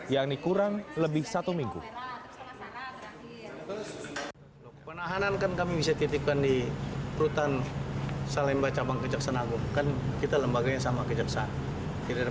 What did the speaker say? yang dikurang lebih selama